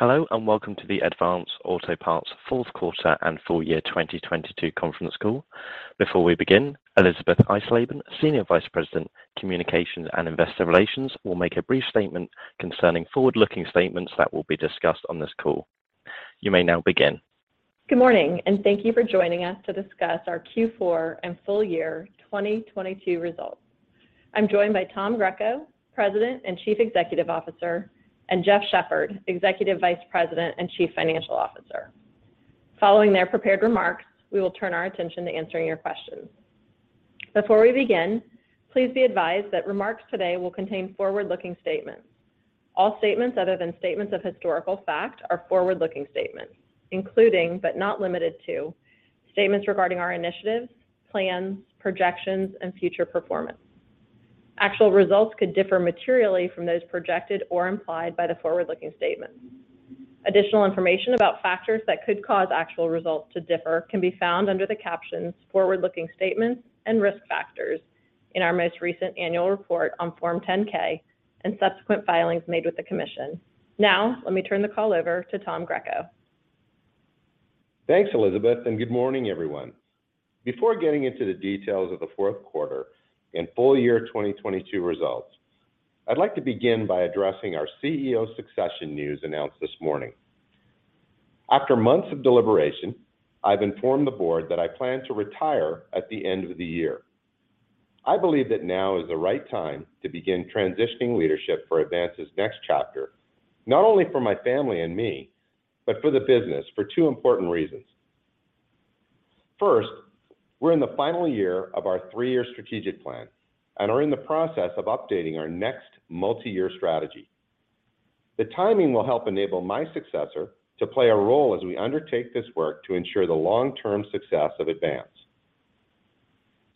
Welcome to the Advance Auto Parts fourth quarter and full-year 2022 conference call. Before we begin, Elisabeth Eisleben, Senior Vice President, Communications and Investor Relations, will make a brief statement concerning forward-looking statements that will be discussed on this call. You may now begin. Good morning. Thank you for joining us to discuss our Q4 and full-year 2022 results. I'm joined by Tom Greco, President and Chief Executive Officer, and Jeff Shepherd, Executive Vice President and Chief Financial Officer. Following their prepared remarks, we will turn our attention to answering your questions. Before we begin, please be advised that remarks today will contain forward-looking statements. All statements other than statements of historical fact are forward-looking statements, including, but not limited to, statements regarding our initiatives, plans, projections, and future performance. Actual results could differ materially from those projected or implied by the forward-looking statements. Additional information about factors that could cause actual results to differ can be found under the captions "Forward-Looking Statements" and "Risk Factors" in our most recent annual report on Form 10-K and subsequent filings made with the Commission. Let me turn the call over to Tom Greco. Thanks, Elisabeth, good morning, everyone. Before getting into the details of the fourth quarter and full-year 2022 results, I'd like to begin by addressing our CEO succession news announced this morning. After months of deliberation, I've informed the board that I plan to retire at the end of the year. I believe that now is the right time to begin transitioning leadership for Advance's next chapter, not only for my family and me, but for the business for two important reasons. First, we're in the final year of our three-year strategic plan and are in the process of updating our next multi-year strategy. The timing will help enable my successor to play a role as we undertake this work to ensure the long-term success of Advance.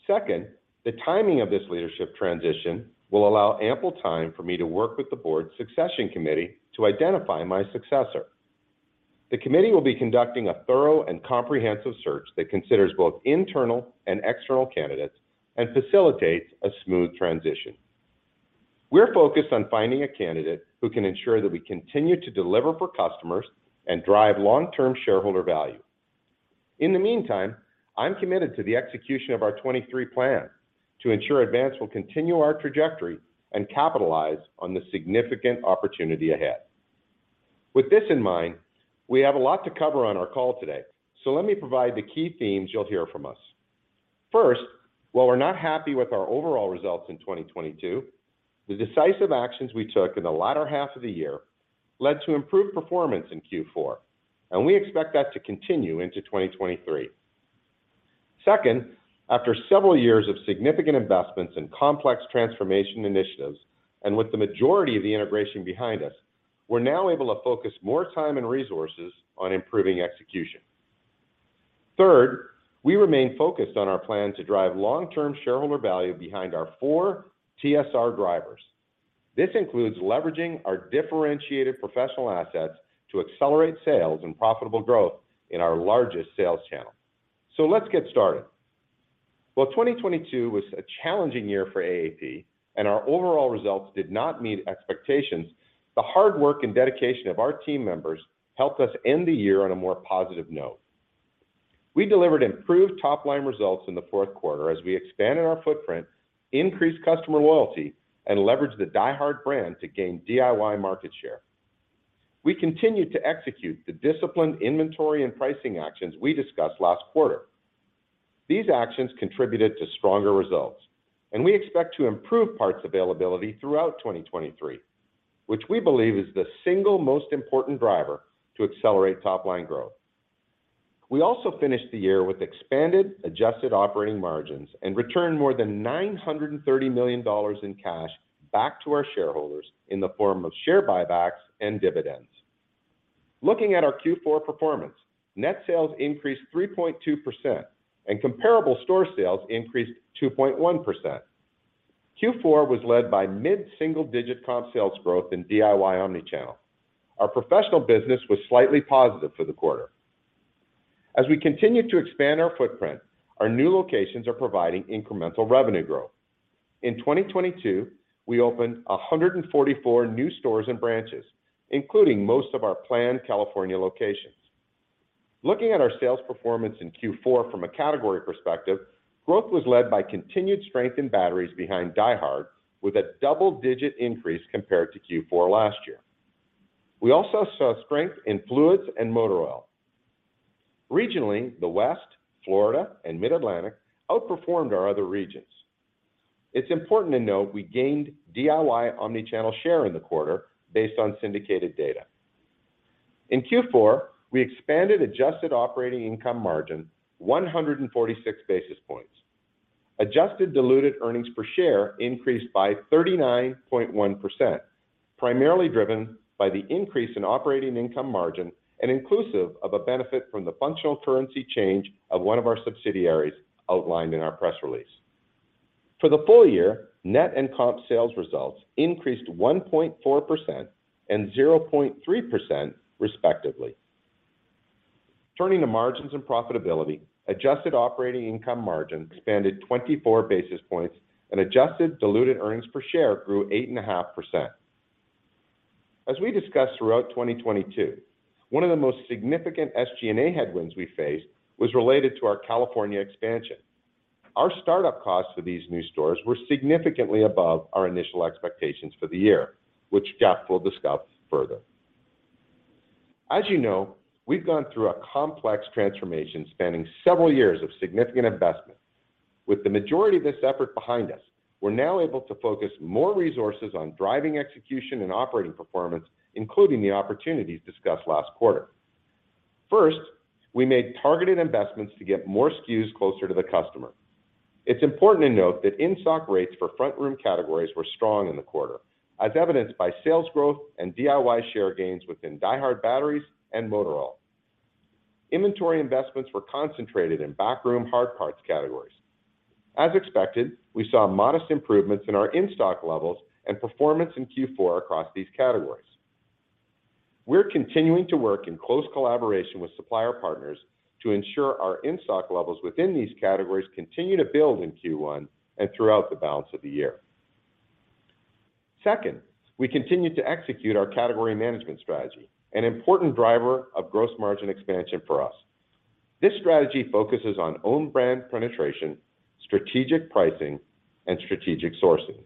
Second, the timing of this leadership transition will allow ample time for me to work with the board's succession committee to identify my successor. The committee will be conducting a thorough and comprehensive search that considers both internal and external candidates and facilitates a smooth transition. We're focused on finding a candidate who can ensure that we continue to deliver for customers and drive long-term shareholder value. In the meantime, I'm committed to the execution of our 23 plan to ensure Advance will continue our trajectory and capitalize on the significant opportunity ahead. With this in mind, we have a lot to cover on our call today, so let me provide the key themes you'll hear from us. First, while we're not happy with our overall results in 2022, the decisive actions we took in the latter half of the year led to improved performance in Q4. We expect that to continue into 2023. Second, after several years of significant investments in complex transformation initiatives, with the majority of the integration behind us, we're now able to focus more time and resources on improving execution. Third, we remain focused on our plan to drive long-term shareholder value behind our four TSR drivers. This includes leveraging our differentiated professional assets to accelerate sales and profitable growth in our largest sales channel. Let's get started. While 2022 was a challenging year for AAP and our overall results did not meet expectations, the hard work and dedication of our team members helped us end the year on a more positive note. We delivered improved top-line results in the fourth quarter as we expanded our footprint, increased customer loyalty, and leveraged the DieHard brand to gain DIY market share. We continued to execute the disciplined inventory and pricing actions we discussed last quarter. These actions contributed to stronger results, and we expect to improve parts availability throughout 2023, which we believe is the single most important driver to accelerate top-line growth. We also finished the year with expanded adjusted operating margins and returned more than $930 million in cash back to our shareholders in the form of share buybacks and dividends. Looking at our Q4 performance, net sales increased 3.2% and comparable store sales increased 2.1%. Q4 was led by mid-single digit comp sales growth in DIY omnichannel. Our professional business was slightly positive for the quarter. As we continue to expand our footprint, our new locations are providing incremental revenue growth. In 2022, we opened 144 new stores and branches, including most of our planned California locations. Looking at our sales performance in Q4 from a category perspective, growth was led by continued strength in batteries behind DieHard with a double-digit increase compared to Q4 last year. We also saw strength in fluids and motor oil. Regionally, the West, Florida, and Mid-Atlantic outperformed our other regions. It's important to note we gained DIY omnichannel share in the quarter based on syndicated data. In Q4, we expanded adjusted operating income margin 146 basis points. Adjusted diluted earnings per share increased by 39.1%, primarily driven by the increase in operating income margin and inclusive of a benefit from the functional currency change of one of our subsidiaries outlined in our press release. For the full-year, net and comp sales results increased 1.4% and 0.3% respectively. Turning to margins and profitability, adjusted operating income margin expanded 24 basis points and adjusted diluted earnings per share grew 8.5%. As we discussed throughout 2022, one of the most significant SG&A headwinds we faced was related to our California expansion. Our startup costs for these new stores were significantly above our initial expectations for the year, which Jeff will discuss further. As you know, we've gone through a complex transformation spanning several years of significant investment. With the majority of this effort behind us, we're now able to focus more resources on driving execution and operating performance, including the opportunities discussed last quarter. First, we made targeted investments to get more SKUs closer to the customer. It's important to note that in-stock rates for front room categories were strong in the quarter, as evidenced by sales growth and DIY share gains within DieHard batteries and motor oil. Inventory investments were concentrated in back room hard parts categories. As expected, we saw modest improvements in our in-stock levels and performance in Q4 across these categories. We're continuing to work in close collaboration with supplier partners to ensure our in-stock levels within these categories continue to build in Q1 and throughout the balance of the year. Second, we continue to execute our category management strategy, an important driver of gross margin expansion for us. This strategy focuses on own brand penetration, strategic pricing, and strategic sourcing.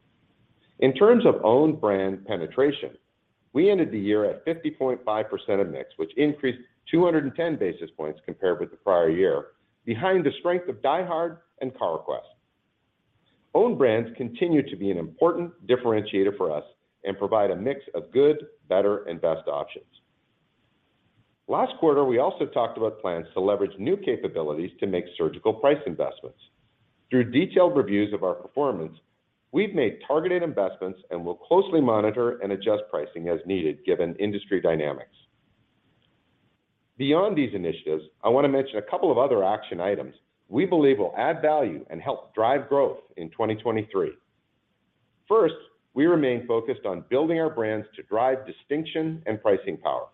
In terms of own brand penetration, we ended the year at 50.5% of mix, which increased 210 basis points compared with the prior year, behind the strength of DieHard and Carquest. Own brands continue to be an important differentiator for us and provide a mix of good, better, and best options. Last quarter, we also talked about plans to leverage new capabilities to make surgical price investments. Through detailed reviews of our performance, we've made targeted investments and will closely monitor and adjust pricing as needed, given industry dynamics. Beyond these initiatives, I want to mention a couple of other action items we believe will add value and help drive growth in 2023. First, we remain focused on building our brands to drive distinction and pricing power.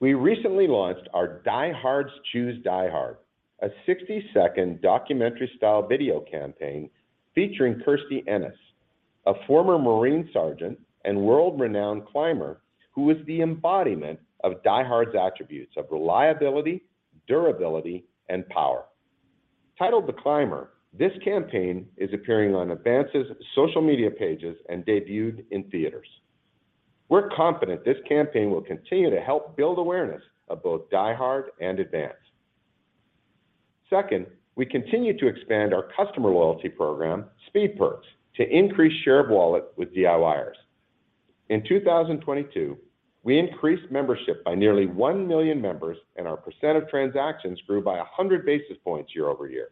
We recently launched our DieHards Choose DieHard, a 60-second documentary-style video campaign featuring Kirstie Ennis, a former Marine sergeant and world-renowned climber, who is the embodiment of DieHard's attributes of reliability, durability, and power. Titled The Climber, this campaign is appearing on Advance's social media pages and debuted in theaters. We're confident this campaign will continue to help build awareness of both DieHard and Advance. Second, we continue to expand our customer loyalty program, Speed Perks, to increase share of wallet with DIYers. In 2022, we increased membership by nearly one million members, and our percent of transactions grew by 100 basis points year-over-year.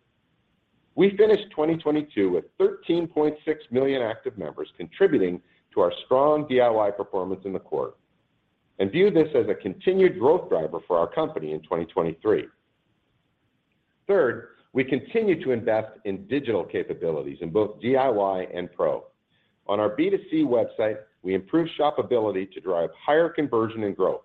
We finished 2022 with 13.6 million active members contributing to our strong DIY performance in the quarter and view this as a continued growth driver for our company in 2023. Third, we continue to invest in digital capabilities in both DIY and pro. On our B2C website, we improved shopability to drive higher conversion and growth.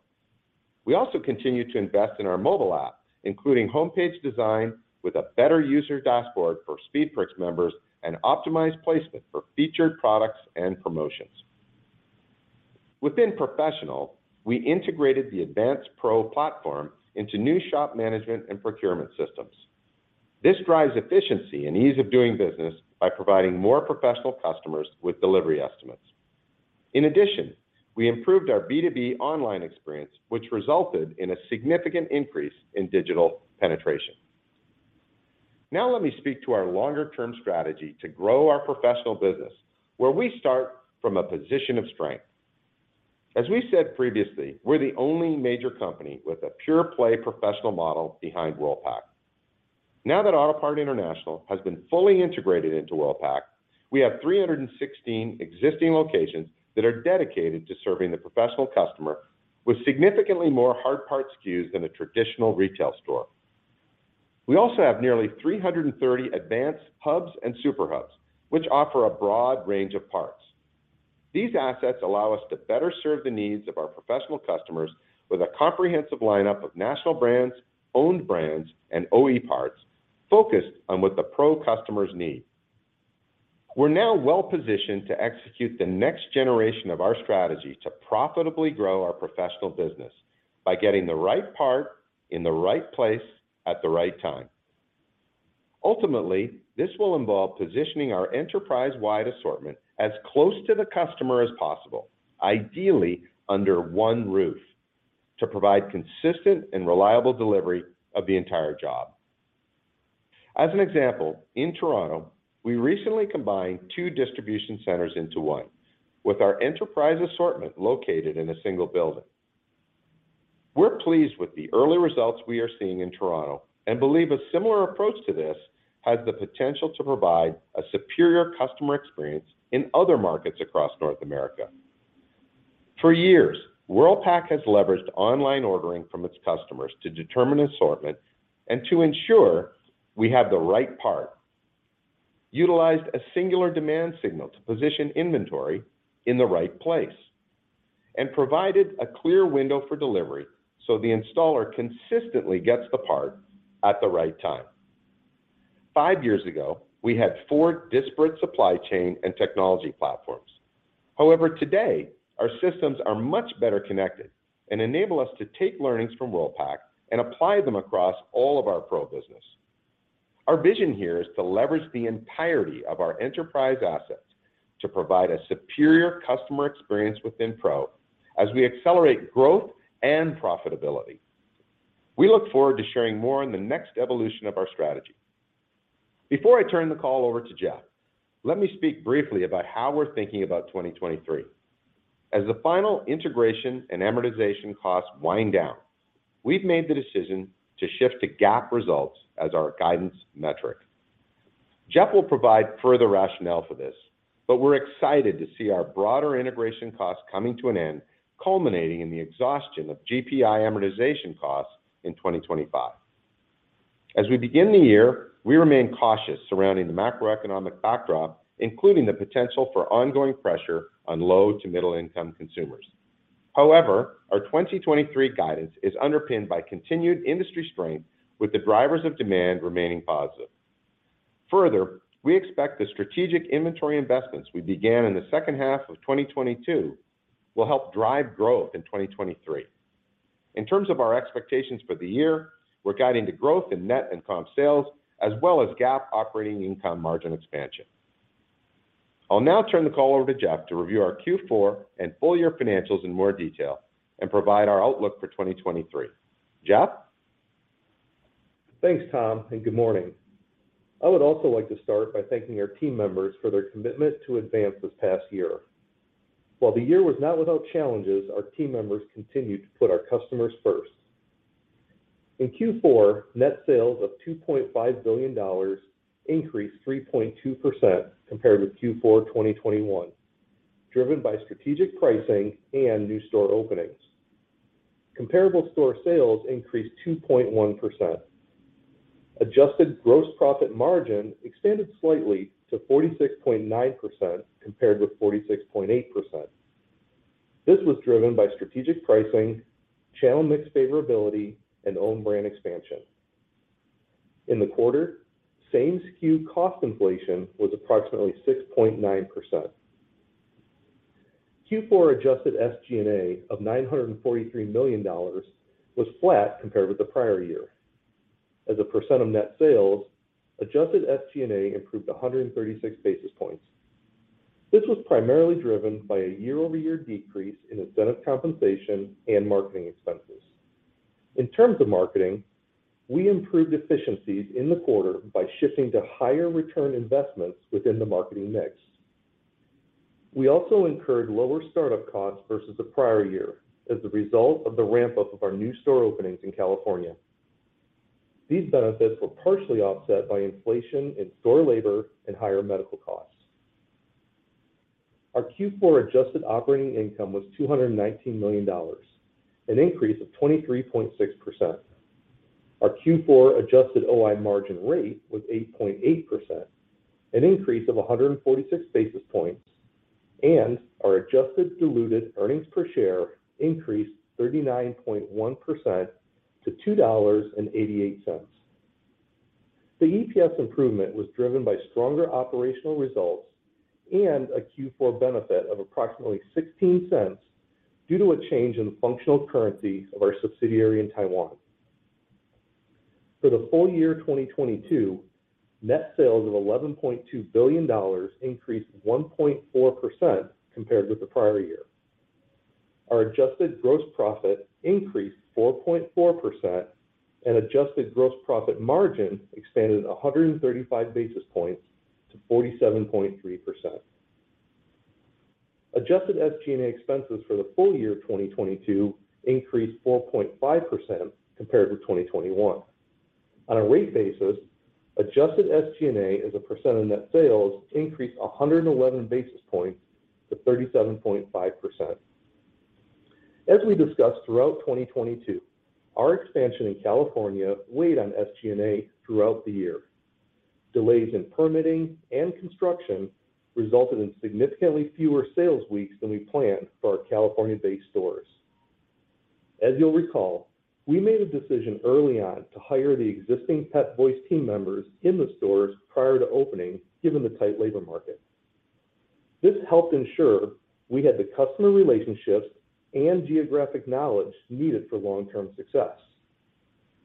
We also continued to invest in our mobile app, including homepage design with a better user dashboard for Speed Perks members and optimized placement for featured products and promotions. Within professional, we integrated the Advance pro platform into new shop management and procurement systems. This drives efficiency and ease of doing business by providing more professional customers with delivery estimates. In addition, we improved our B2B online experience, which resulted in a significant increase in digital penetration. Now let me speak to our longer term strategy to grow our professional business, where we start from a position of strength. As we said previously, we're the only major company with a pure play professional model behind Worldpac. Now that Autopart International has been fully integrated into Worldpac, we have 316 existing locations that are dedicated to serving the professional customer with significantly more hard parts SKUs than a traditional retail store. We also have nearly 330 Advance hubs and super hubs, which offer a broad range of parts. These assets allow us to better serve the needs of our professional customers with a comprehensive lineup of national brands, owned brands, and OE parts focused on what the pro customers need. We're now well-positioned to execute the next generation of our strategy to profitably grow our professional business by getting the right part in the right place at the right time. Ultimately, this will involve positioning our enterprise-wide assortment as close to the customer as possible, ideally under one roof, to provide consistent and reliable delivery of the entire job. As an example, in Toronto, we recently combined two distribution centers into one with our enterprise assortment located in a single building. We're pleased with the early results we are seeing in Toronto and believe a similar approach to this has the potential to provide a superior customer experience in other markets across North America. For years, Worldpac has leveraged online ordering from its customers to determine assortment and to ensure we have the right partutilized a singular demand signal to position inventory in the right place, and provided a clear window for delivery so the installer consistently gets the part at the right time. Five years ago, we had four disparate supply chain and technology platforms. Today, our systems are much better connected and enable us to take learnings from Worldpac and apply them across all of our pro business. Our vision here is to leverage the entirety of our enterprise assets to provide a superior customer experience within pro as we accelerate growth and profitability. We look forward to sharing more on the next evolution of our strategy. Before I turn the call over to Jeff, let me speak briefly about how we're thinking about 2023. As the final integration and amortization costs wind down, we've made the decision to shift to GAAP results as our guidance metric. Jeff will provide further rationale for this. We're excited to see our broader integration costs coming to an end, culminating in the exhaustion of GPI amortization costs in 2025. As we begin the year, we remain cautious surrounding the macroeconomic backdrop, including the potential for ongoing pressure on low to middle income consumers. Our 2023 guidance is underpinned by continued industry strength with the drivers of demand remaining positive. We expect the strategic inventory investments we began in the second half of 2022 will help drive growth in 2023. In terms of our expectations for the year, we're guiding to growth in net and comp sales, as well as GAAP operating income margin expansion. I'll now turn the call over to Jeff to review our Q4 and full-year financials in more detail and provide our outlook for 2023. Jeff? Thanks, Tom. Good morning. I would also like to start by thanking our team members for their commitment to Advance this past year. While the year was not without challenges, our team members continued to put our customers first. In Q4, net sales of $2.5 billion increased 3.2% compared with Q4 2021, driven by strategic pricing and new store openings. Comparable store sales increased 2.1%. Adjusted gross profit margin expanded slightly to 46.9% compared with 46.8%. This was driven by strategic pricing, channel mix favorability, and own brand expansion. In the quarter, same SKU cost inflation was approximately 6.9%. Q4 adjusted SG&A of $943 million was flat compared with the prior year. As a percent of net sales, adjusted SG&A improved 136 basis points. This was primarily driven by a year-over-year decrease in incentive compensation and marketing expenses. In terms of marketing, we improved efficiencies in the quarter by shifting to higher return investments within the marketing mix. We also incurred lower startup costs versus the prior year as the result of the ramp-up of our new store openings in California. These benefits were partially offset by inflation in store labor and higher medical costs. Our Q4 adjusted operating income was $219 million, an increase of 23.6%. Our Q4 adjusted OI margin rate was 8.8%, an increase of 146 basis points, and our adjusted diluted earnings per share increased 39.1% to $2.88. The EPS improvement was driven by stronger operational results and a Q4 benefit of approximately $0.16 due to a change in the functional currency of our subsidiary in Taiwan. For the full-year 2022, net sales of $11.2 billion increased 1.4% compared with the prior year. Our adjusted gross profit increased 4.4% and adjusted gross profit margin expanded 135 basis points to 47.3%. Adjusted SG&A expenses for the full-year of 2022 increased 4.5% compared with 2021. On a rate basis, adjusted SG&A as a percent of net sales increased 111 basis points to 37.5%. As we discussed throughout 2022, our expansion in California weighed on SG&A throughout the year. Delays in permitting and construction resulted in significantly fewer sales weeks than we planned for our California-based stores. As you'll recall, we made a decision early on to hire the existing Pep Boys team members in the stores prior to opening, given the tight labor market. This helped ensure we had the customer relationships and geographic knowledge needed for long-term success.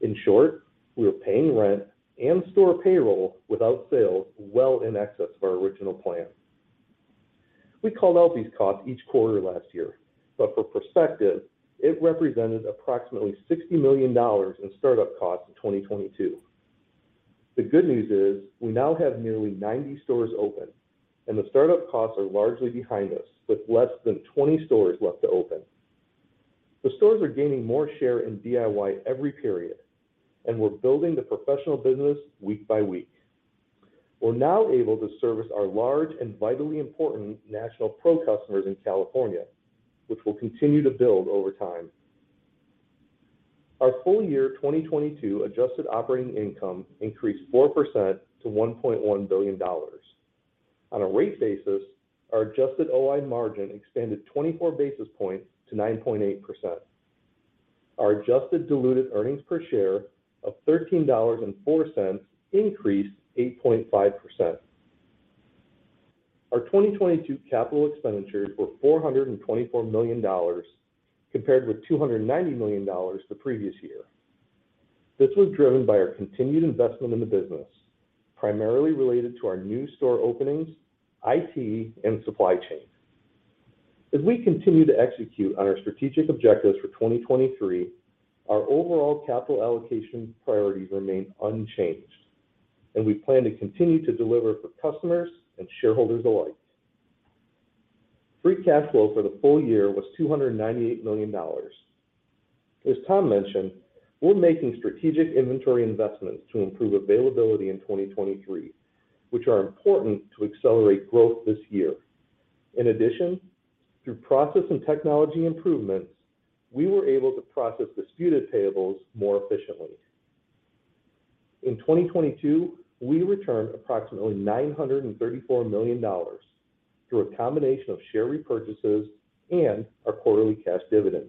In short, we were paying rent and store payroll without sales well in excess of our original plan. We called out these costs each quarter last year, but for perspective, it represented approximately $60 million in startup costs in 2022. The good news is we now have nearly 90 stores open, and the startup costs are largely behind us, with less than 20 stores left to open. The stores are gaining more share in DIY every period, and we're building the professional business week by week. We're now able to service our large and vitally important national pro customers in California, which will continue to build over time. Our full-year 2022 adjusted operating income increased 4% to $1.1 billion. On a rate basis, our adjusted OI margin expanded 24 basis points to 9.8%. Our adjusted diluted earnings per share of $13.04 increased 8.5%. Our 2022 capital expenditures were $424 million compared with $290 million the previous year. This was driven by our continued investment in the business, primarily related to our new store openings, IT, and supply chain. As we continue to execute on our strategic objectives for 2023, our overall capital allocation priorities remain unchanged, and we plan to continue to deliver for customers and shareholders alike. Free cash flow for the full-year was $298 million. As Tom mentioned, we're making strategic inventory investments to improve availability in 2023, which are important to accelerate growth this year. Through process and technology improvements, we were able to process disputed payables more efficiently. In 2022, we returned approximately $934 million through a combination of share repurchases and our quarterly cash dividend.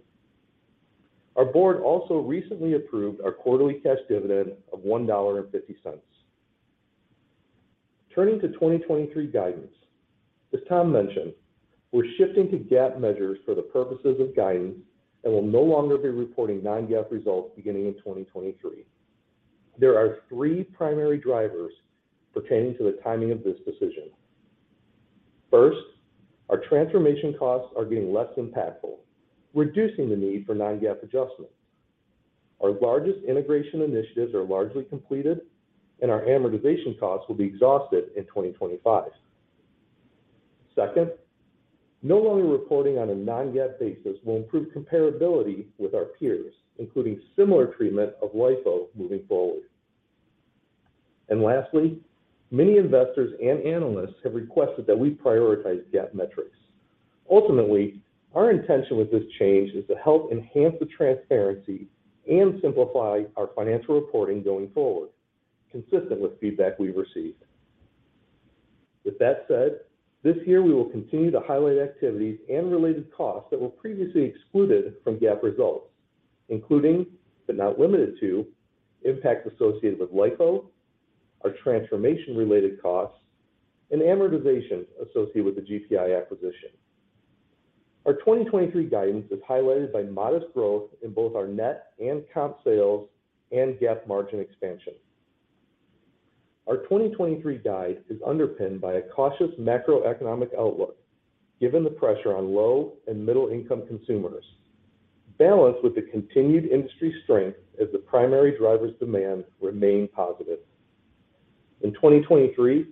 Our board also recently approved our quarterly cash dividend of $1.50. Turning to 2023 guidance. As Tom mentioned, we're shifting to GAAP measures for the purposes of guidance and will no longer be reporting non-GAAP results beginning in 2023. There are three primary drivers pertaining to the timing of this decision. First, our transformation costs are being less impactful, reducing the need for non-GAAP adjustments. Our largest integration initiatives are largely completed, and our amortization costs will be exhausted in 2025. Second, no longer reporting on a non-GAAP basis will improve comparability with our peers, including similar treatment of LIFO moving forward. Lastly, many investors and analysts have requested that we prioritize GAAP metrics. Ultimately, our intention with this change is to help enhance the transparency and simplify our financial reporting going forward, consistent with feedback we've received. With that said, this year we will continue to highlight activities and related costs that were previously excluded from GAAP results, including, but not limited to, impacts associated with LIFO, our transformation related costs, and amortization associated with the GPI acquisition. Our 2023 guidance is highlighted by modest growth in both our net and comp sales and GAAP margin expansion. Our 2023 guide is underpinned by a cautious macroeconomic outlook given the pressure on low and middle income consumers, balanced with the continued industry strength as the primary drivers demand remain positive. In 2023,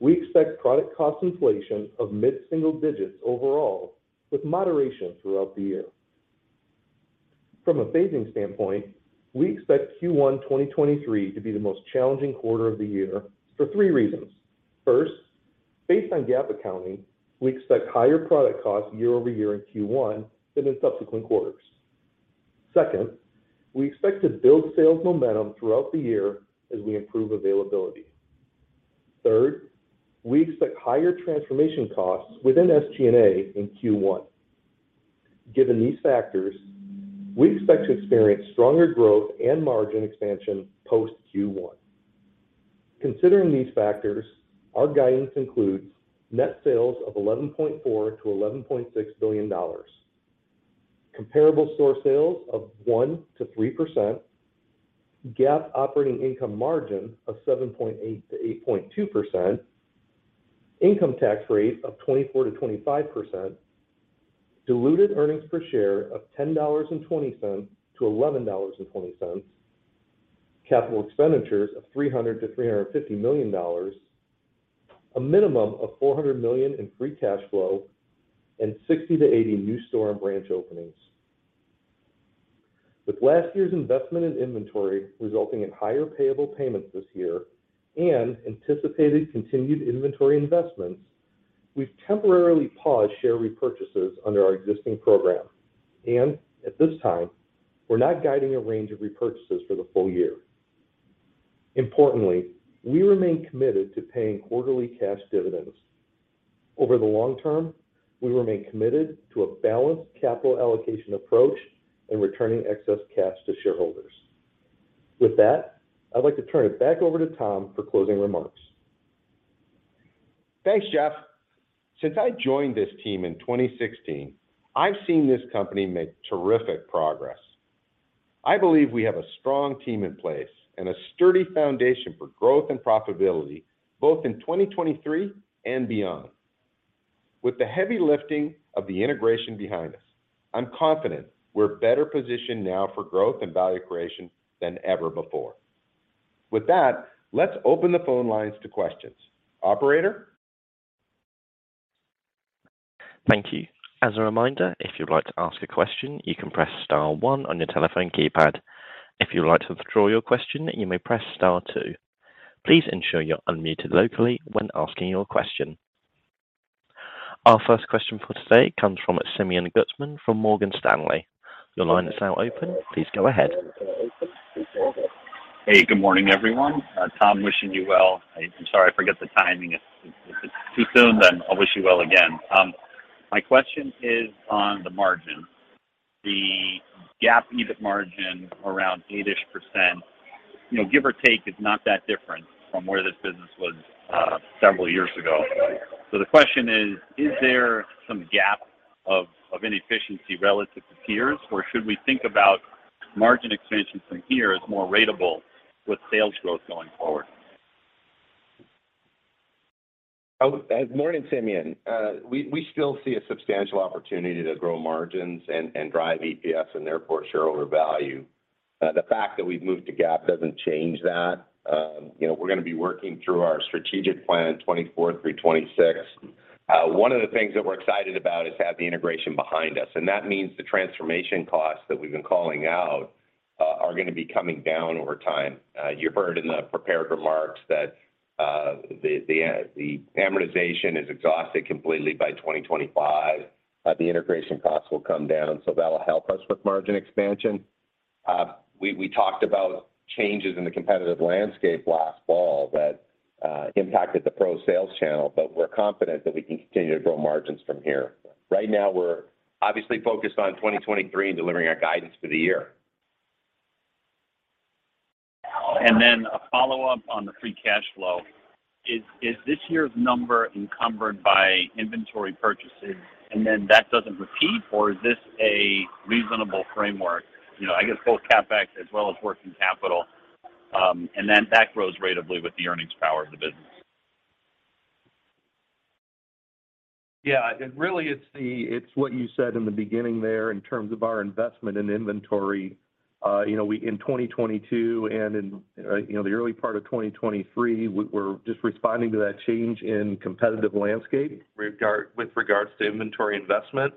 we expect product cost inflation of mid-single digits overall with moderation throughout the year. From a phasing standpoint, we expect Q1 2023 to be the most challenging quarter of the year for three reasons. First, based on GAAP accounting, we expect higher product costs year-over-year in Q1 than in subsequent quarters. Second, we expect to build sales momentum throughout the year as we improve availability. Third, we expect higher transformation costs within SG&A in Q1. Given these factors, we expect to experience stronger growth and margin expansion post Q1. Considering these factors, our guidance includes net sales of $11.4 billion-$11.6 billion, comparable store sales of 1%-3%, GAAP operating income margin of 7.8%-8.2%, income tax rate of 24%-25%, diluted earnings per share of $10.20-$11.20, CapEx of $300 to 350 million, a minimum of $400 million in free cash flow, and 60-80 new store and branch openings. With last year's investment in inventory resulting in higher payable payments this year and anticipated continued inventory investments, we've temporarily paused share repurchases under our existing program. At this time, we're not guiding a range of repurchases for the full-year. Importantly, we remain committed to paying quarterly cash dividends. Over the long term, we remain committed to a balanced capital allocation approach and returning excess cash to shareholders. With that, I'd like to turn it back over to Tom for closing remarks. Thanks, Jeff. Since I joined this team in 2016, I've seen this company make terrific progress. I believe we have a strong team in place and a sturdy foundation for growth and profitability both in 2023 and beyond. With the heavy lifting of the integration behind us, I'm confident we're better positioned now for growth and value creation than ever before. With that, let's open the phone lines to questions. Operator? Thank you. As a reminder, if you'd like to ask a question, you can press star one on your telephone keypad. If you'd like to withdraw your question, you may press star two. Please ensure you're unmuted locally when asking your question. Our first question for today comes from Simeon Gutman from Morgan Stanley. Your line is now open. Please go ahead. Good morning, everyone. Tom, wishing you well. I'm sorry, I forget the timing. If it's too soon, then I'll wish you well again. My question is on the margin. The GAAP EBIT margin around 8%, you know, give or take, is not that different from where this business was several years ago. The question is there some gap of inefficiency relative to peers, or should we think about margin expansion from here as more ratable with sales growth going forward? Morning, Simeon. We still see a substantial opportunity to grow margins and drive EPS and therefore shareholder value. The fact that we've moved to GAAP doesn't change that. You know, we're gonna be working through our strategic plan 2024 through 2026. One of the things that we're excited about is to have the integration behind us, that means the transformation costs that we've been calling out, are gonna be coming down over time. You heard in the prepared remarks that the amortization is exhausted completely by 2025. The integration costs will come down, that'll help us with margin expansion. We talked about changes in the competitive landscape last fall that impacted the pro sales channel, we're confident that we can continue to grow margins from here. Right now, we're obviously focused on 2023 and delivering our guidance for the year. A follow-up on the free cash flow. Is this year's number encumbered by inventory purchases, and then that doesn't repeat, or is this a reasonable framework? You know, I guess both CapEx as well as working capital, and then that grows ratably with the earnings power of the business. Yeah. It really it's what you said in the beginning there in terms of our investment in inventory. you know, in 2022 and in, you know, the early part of 2023, we're just responding to that change in competitive landscape with regards to inventory investment.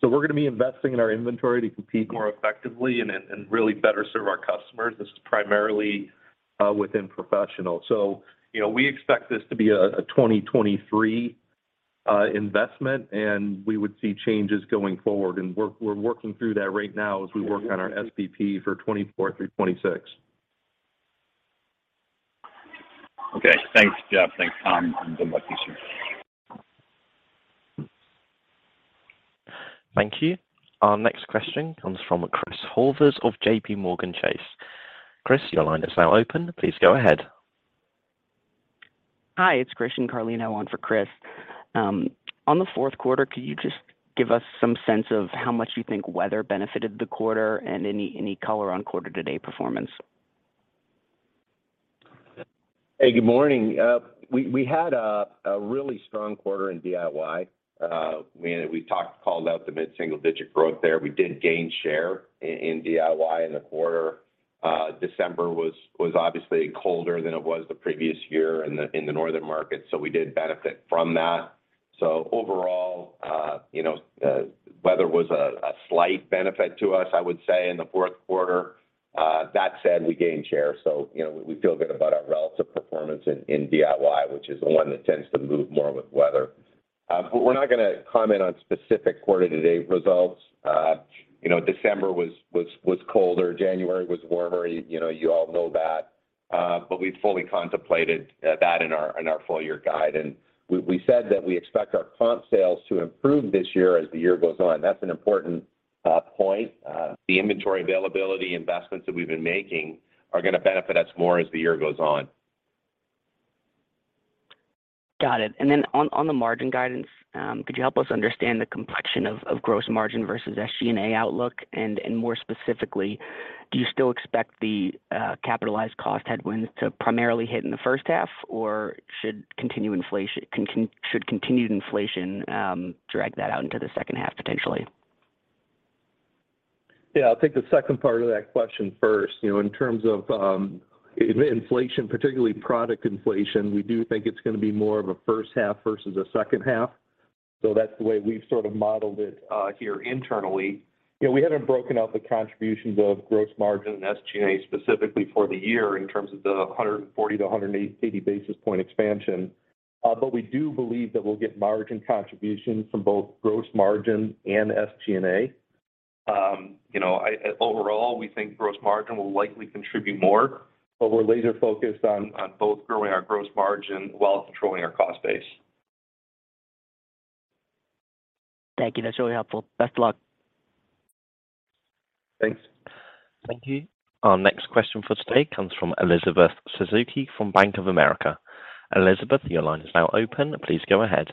We're gonna be investing in our inventory to compete more effectively and really better serve our customers. This is primarily within professional. you know, we expect this to be a 2023 investment, and we would see changes going forward. We're working through that right now as we work on our SVP for 2024 through 2026. Okay. Thanks, Jeff. Thanks, Tom, and good luck this year. Thank you. Our next question comes from Chris Horvers of JPMorgan Chase. Chris, your line is now open. Please go ahead. Hi, it's Christian Carlino on for Chris. On the fourth quarter, could you just give us some sense of how much you think weather benefited the quarter and any color on quarter to date performance? Hey, good morning. We had a really strong quarter in DIY. We called out the mid-single-digit growth there. We did gain share in DIY in the quarter. December was obviously colder than it was the previous year in the northern markets. We did benefit from that. Overall, you know, weather was a slight benefit to us, I would say in the fourth quarter. That said, we gained share. You know, we feel good about our relative performance in DIY, which is the one that tends to move more with weather. We're not gonna comment on specific quarter-to-date results. You know, December was colder. January was warmer. You know, you all know that, but we fully contemplated that in our, in our full-year guide. We said that we expect our comp sales to improve this year as the year goes on. That's an important point. The inventory availability investments that we've been making are gonna benefit us more as the year goes on. Got it. On the margin guidance, could you help us understand the complexion of gross margin versus SG&A outlook? More specifically, do you still expect the capitalized cost headwinds to primarily hit in the first half, or should continued inflation drag that out into the second half potentially? Yeah. I'll take the second part of that question first. You know, in terms of inflation, particularly product inflation, we do think it's gonna be more of a first half versus a second half. That's the way we've sort of modeled it here internally. You know, we haven't broken out the contributions of gross margin and SG&A specifically for the year in terms of the 140-180 basis point expansion. We do believe that we'll get margin contributions from both gross margin and SG&A. You know, overall, we think gross margin will likely contribute more, but we're laser focused on both growing our gross margin while controlling our cost base. Thank you. That's really helpful. Best of luck. Thanks. Thank you. Our next question for today comes from Elizabeth Suzuki from Bank of America. Elizabeth, your line is now open. Please go ahead.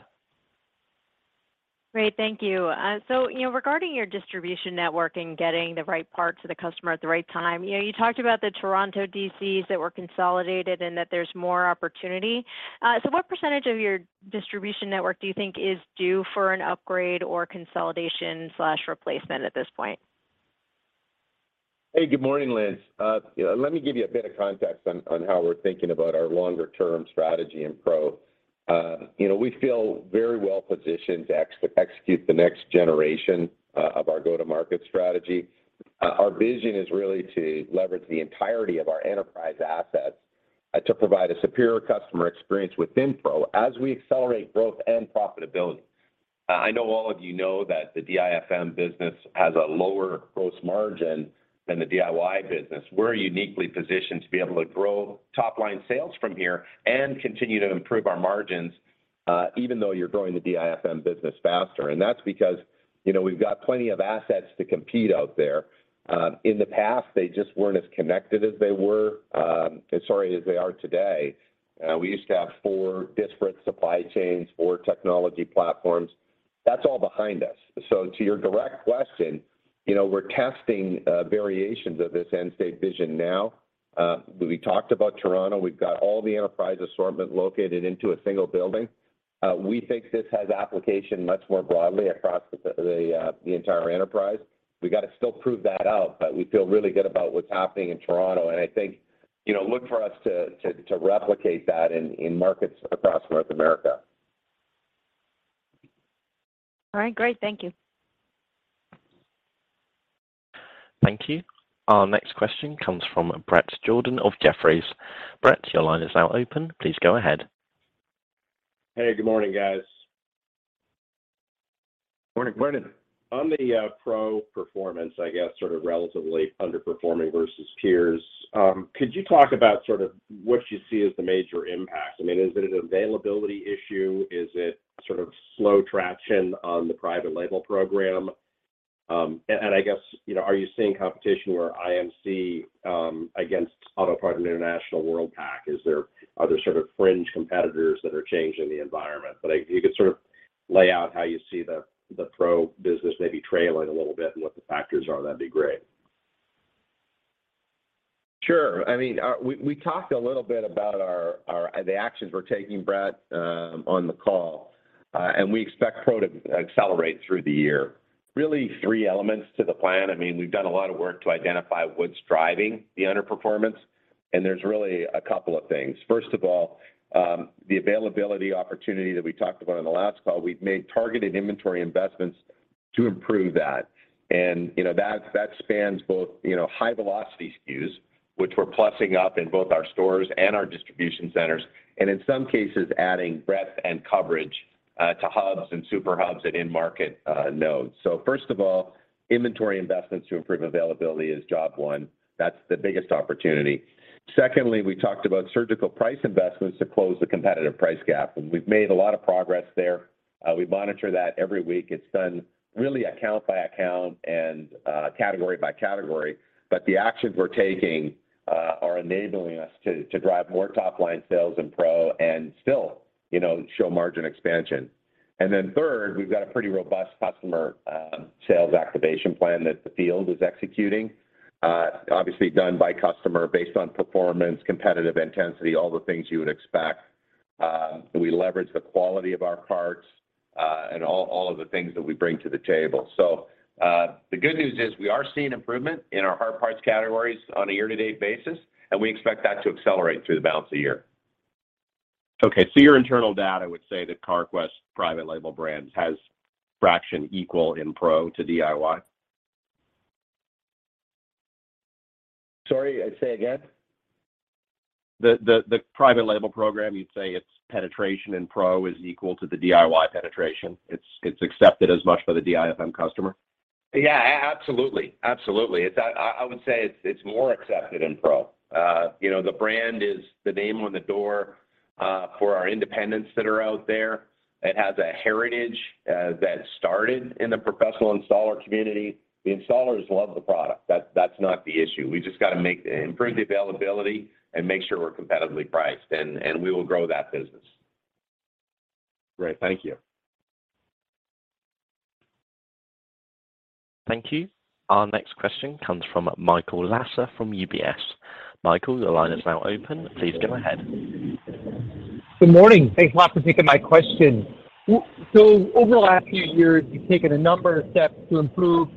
Great. Thank you. You know, regarding your distribution network and getting the right parts to the customer at the right time, you know, you talked about the Toronto DCs that were consolidated and that there's more opportunity. What percentage of your distribution network do you think is due for an upgrade or consolidation/replacement at this point? Hey, good morning, Liz. You know, let me give you a bit of context on how we're thinking about our longer term strategy in Pro. You know, we feel very well positioned to execute the next generation of our go-to-market strategy. Our vision is really to leverage the entirety of our enterprise assets to provide a superior customer experience within Pro as we accelerate growth and profitability. I know all of you know that the DIFM business has a lower gross margin than the DIY business. We're uniquely positioned to be able to grow top-line sales from here and continue to improve our margins, even though you're growing the DIFM business faster. That's because, you know, we've got plenty of assets to compete out there. In the past, they just weren't as connected as they were, as they are today. We used to have four disparate supply chains, four technology platforms. That's all behind us. To your direct question, you know, we're testing variations of this end state vision now. We talked about Toronto. We've got all the enterprise assortment located into a single building. We think this has application much more broadly across the entire enterprise. We gotta still prove that out, but we feel really good about what's happening in Toronto, and I think, you know, look for us to replicate that in markets across North America. All right. Great. Thank you. Thank you. Our next question comes from Bret Jordan of Jefferies. Brett, your line is now open. Please go ahead. Hey, good morning, guys. Morning. Morning. On the Pro performance, I guess sort of relatively underperforming versus peers, could you talk about sort of what you see as the major impacts? I mean, is it an availability issue? Is it sort of slow traction on the private label program? I guess, you know, are you seeing competition where IMC against Autopart International and Worldpac? Is there other sort of fringe competitors that are changing the environment? If you could sort of lay out how you see the Pro business maybe trailing a little bit and what the factors are, that'd be great. Sure. I mean, we talked a little bit about our, the actions we're taking, Bret Jordan, on the call, we expect Pro to accelerate through the year. Really three elements to the plan. I mean, we've done a lot of work to identify what's driving the underperformance, and there's really a couple of things. First of all, the availability opportunity that we talked about on the last call, we've made targeted inventory investments to improve that. You know, that spans both, you know, high velocity SKUs, which we're plussing up in both our stores and our distribution centers, and in some cases, adding breadth and coverage to hubs and super hubs and in-market nodes. First of all, inventory investments to improve availability is job one. That's the biggest opportunity. Secondly, we talked about surgical price investments to close the competitive price gap. We've made a lot of progress there. We monitor that every week. It's done really account by account and category by category. The actions we're taking are enabling us to drive more top-line sales in Pro and still, you know, show margin expansion. Third, we've got a pretty robust customer sales activation plan that the field is executing, obviously done by customer based on performance, competitive intensity, all the things you would expect. We leverage the quality of our parts and all of the things that we bring to the table. The good news is we are seeing improvement in our hard parts categories on a year-to-date basis, and we expect that to accelerate through the balance of the year. Okay. Your internal data would say that Carquest private label brands has fraction equal in Pro to DIY? Sorry, say again? The private label program, you'd say its penetration in Pro is equal to the DIY penetration? It's accepted as much by the DIFM customer? Yeah, absolutely. Absolutely. It's, I would say it's more accepted in Pro. You know, the brand is the name on the door for our independents that are out there. It has a heritage that started in the professional installer community. The installers love the product. That's not the issue. We just gotta improve the availability and make sure we're competitively priced, and we will grow that business. Great. Thank you. Thank you. Our next question comes from Michael Lasser from UBS. Michael, your line is now open. Please go ahead. Good morning. Thanks a lot for taking my question. Over the last few years, you've taken a number of steps to improve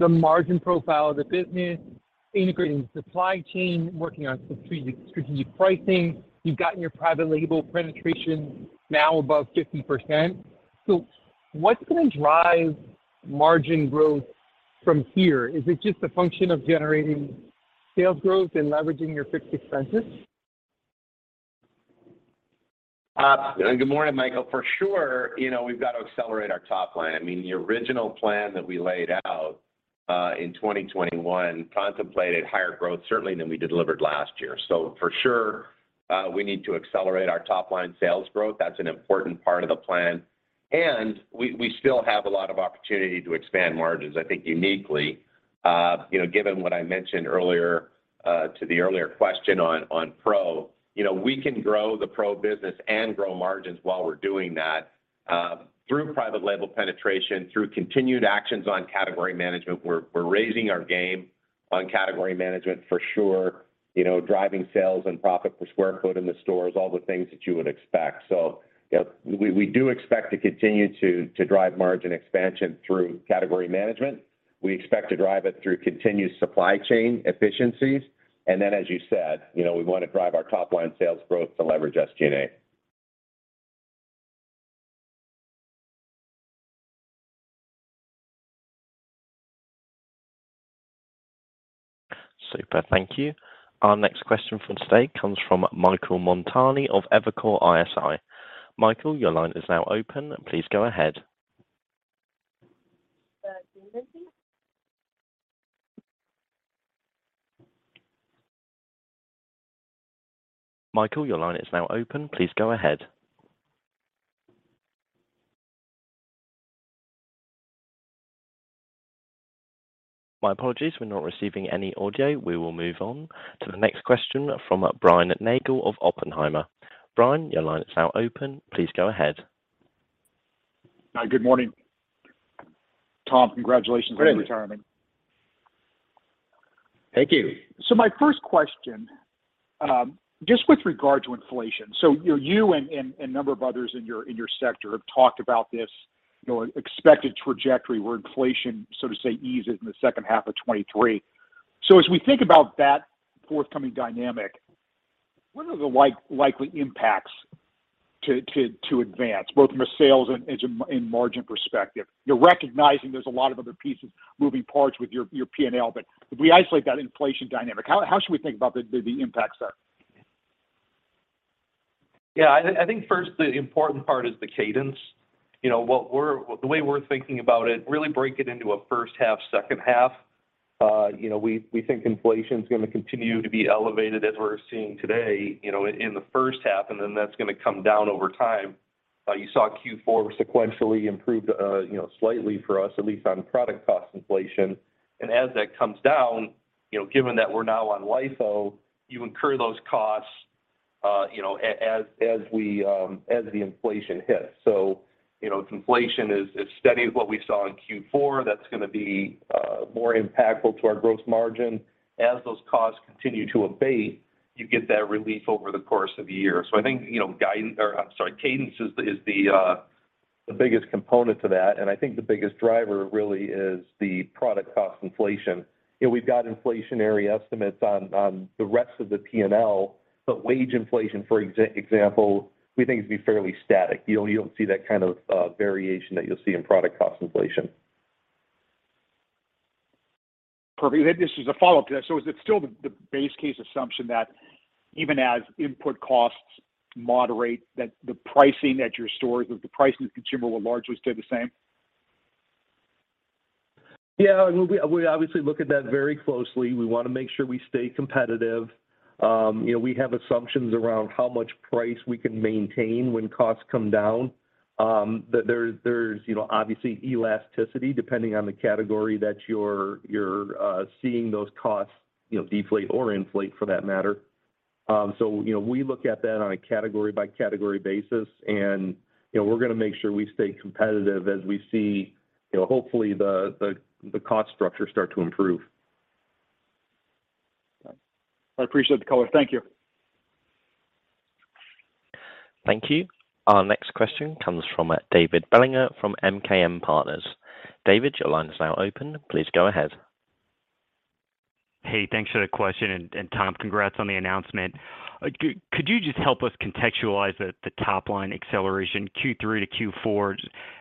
the margin profile of the business, integrating supply chain, working on strategic pricing. You've gotten your private label penetration now above 50%. What's gonna drive margin growth from here? Is it just a function of generating sales growth and leveraging your fixed expenses? Good morning, Michael. For sure, you know, we've got to accelerate our top line. I mean, the original plan that we laid out in 2021 contemplated higher growth certainly than we delivered last year. For sure, we need to accelerate our top-line sales growth. That's an important part of the plan. We still have a lot of opportunity to expand margins, I think uniquely, you know, given what I mentioned earlier, to the earlier question on Pro. You know, we can grow the Pro business and grow margins while we're doing that, through private label penetration, through continued actions on category management. We're raising our game on category management for sure, you know, driving sales and profit per square foot in the stores, all the things that you would expect. You know, we do expect to continue to drive margin expansion through category management. We expect to drive it through continued supply chain efficiencies, as you said, you know, we wanna drive our top-line sales growth to leverage SG&A. Super. Thank you. Our next question from today comes from Michael Montani of Evercore ISI. Michael, your line is now open. Please go ahead. My apologies. We're not receiving any audio. We will move on to the next question from Brian Nagel of Oppenheimer. Brian, your line is now open. Please go ahead. Good morning. Tom, congratulations. Great On your retirement. Thank you. My first question, just with regard to inflation. You know, you and a number of others in your sector have talked about this, you know, expected trajectory where inflation, so to say, eases in the second half of 2023. As we think about that forthcoming dynamic, what are the likely impacts to Advance both from a sales and margin perspective? You're recognizing there's a lot of other pieces, moving parts with your P&L. If we isolate that inflation dynamic, how should we think about the impacts there? I think first the important part is the cadence. You know, the way we're thinking about it, really break it into a first half, second half. You know, we think inflation's gonna continue to be elevated as we're seeing today, you know, in the first half, and then that's gonna come down over time. You saw Q4 sequentially improved, you know, slightly for us, at least on product cost inflation. As that comes down, you know, given that we're now on LIFO, you incur those costs, you know, as we, as the inflation hits. If inflation is steady as what we saw in Q4, that's gonna be more impactful to our growth margin. As those costs continue to abate, you get that relief over the course of the year. I think, you know, guidance... or I'm sorry, cadence is the biggest component to that, and I think the biggest driver really is the product cost inflation. You know, we've got inflationary estimates on the rest of the P&L. Wage inflation, for example, we think it'd be fairly static. You don't see that kind of variation that you'll see in product cost inflation. Perfect. This is a follow-up to that. Is it still the base case assumption that even as input costs moderate, that the pricing at your stores or the pricing to consumer will largely stay the same? Yeah, we obviously look at that very closely. We wanna make sure we stay competitive. You know, we have assumptions around how much price we can maintain when costs come down. There's, you know, obviously elasticity depending on the category that you're seeing those costs, you know, deflate or inflate for that matter. You know, we look at that on a category by category basis and, you know, we're gonna make sure we stay competitive as we see, you know, hopefully the cost structure start to improve. I appreciate the color. Thank you. Thank you. Our next question comes from David Bellinger from MKM Partners. David, your line is now open. Please go ahead. Hey, thanks for the question. Tom, congrats on the announcement. Could you just help us contextualize the top line acceleration Q3-Q4?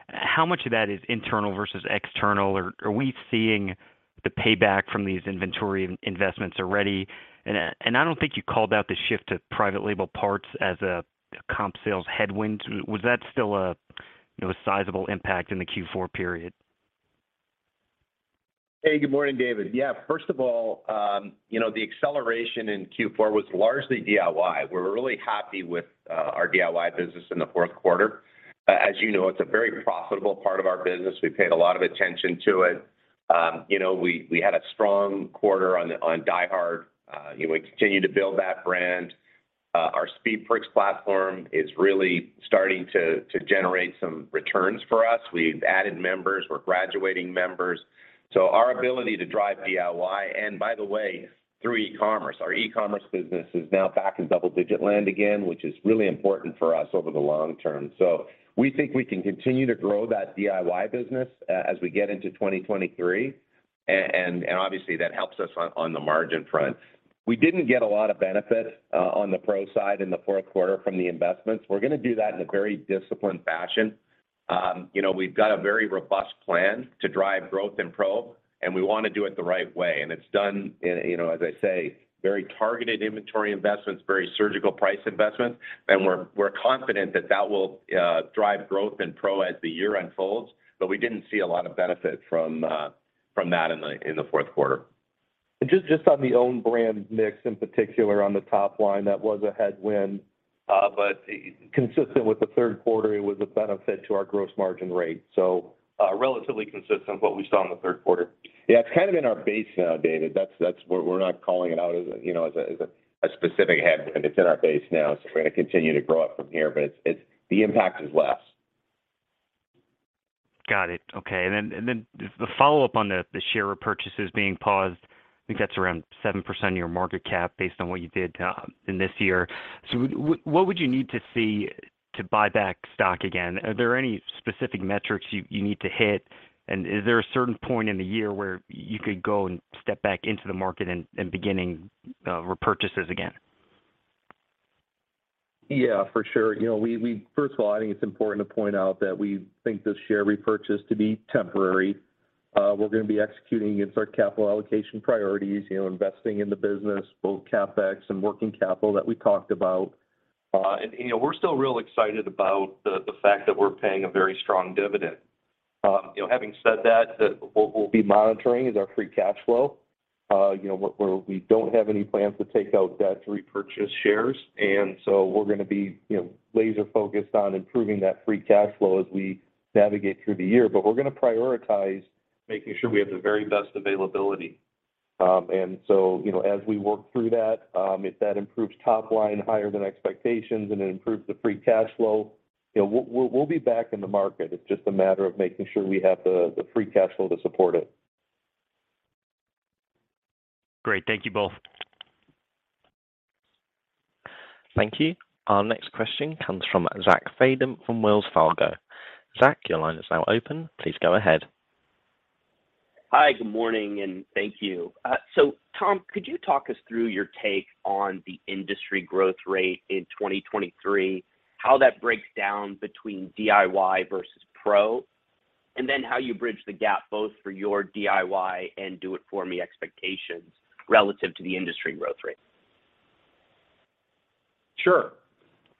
How much of that is internal versus external? Are we seeing the payback from these inventory investments already? I don't think you called out the shift to private label parts as a comp sales headwind. Was that still a, you know, a sizable impact in the Q4 period? Good morning, David. First of all, you know, the acceleration in Q4 was largely DIY. We're really happy with our DIY business in the fourth quarter. As you know, it's a very profitable part of our business. We paid a lot of attention to it. You know, we had a strong quarter on DieHard. You know, we continue to build that brand. Our SpeedFreaks platform is really starting to generate some returns for us. We've added members. We're graduating members. Our ability to drive DIY, and by the way, through e-commerce, our e-commerce business is now back in double-digit land again, which is really important for us over the long term. We think we can continue to grow that DIY business as we get into 2023 and obviously that helps us on the margin front. We didn't get a lot of benefit on the pro side in the fourth quarter from the investments. We're gonna do that in a very disciplined fashion. You know, we've got a very robust plan to drive growth in pro, and we wanna do it the right way, and it's done in, you know, as I say, very targeted inventory investments, very surgical price investments, and we're confident that that will drive growth in pro as the year unfolds. We didn't see a lot of benefit from that in the fourth quarter. Just on the own brand mix, in particular on the top line, that was a headwind, but consistent with the third quarter, it was a benefit to our gross margin rate. Relatively consistent with what we saw in the third quarter. It's kind of in our base now, David. That's what. We're not calling it out as a, you know, as a specific headwind. It's in our base now, so we're gonna continue to grow up from here. The impact is less. Got it. Okay. The follow-up on the share repurchases being paused, I think that's around 7% of your market cap based on what you did in this year. What would you need to see to buy back stock again? Are there any specific metrics you need to hit? Is there a certain point in the year where you could go and step back into the market and beginning repurchases again? Yeah, for sure. You know, we first of all, I think it's important to point out that we think this share repurchase to be temporary. We're gonna be executing against our capital allocation priorities, you know, investing in the business, both CapEx and working capital that we talked about. You know, we're still real excited about the fact that we're paying a very strong dividend. You know, having said that, what we'll be monitoring is our free cash flow. You know, we don't have any plans to take out debt to repurchase shares, and so we're gonna be, you know, laser focused on improving that free cash flow as we navigate through the year. We're gonna prioritize making sure we have the very best availability. You know, as we work through that, if that improves top line higher than expectations and it improves the free cash flow, you know, we'll be back in the market. It's just a matter of making sure we have the free cash flow to support it. Great. Thank you both. Thank you. Our next question comes from Zach Fadem from Wells Fargo. Zach, your line is now open. Please go ahead. Hi. Good morning, and thank you. Tom, could you talk us through your take on the industry growth rate in 2023, how that breaks down between DIY versus pro, and then how you bridge the gap both for your DIY and do it for me expectations relative to the industry growth rate? Sure.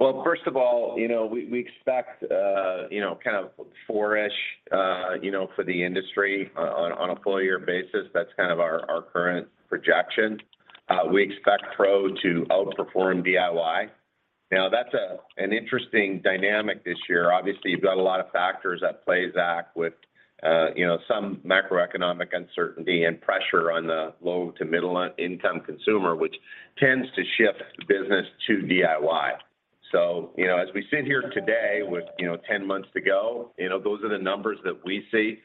Well, first of all, you know, we expect, you know, kind of four-ish, you know, for the industry on a full-year basis. That's kind of our current projection. We expect pro to outperform DIY. That's an interesting dynamic this year. Obviously, you've got a lot of factors at play, Zach, with, you know, some macroeconomic uncertainty and pressure on the low to middle-income consumer, which tends to shift business to DIY. As we sit here today with, you know, 10 months to go, you know, those are the numbers that we see.